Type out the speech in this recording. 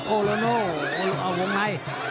โอโลโน่เอาวงใน